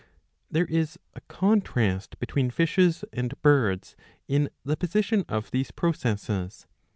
There is a contrast between fishes and birds in the position of these processes.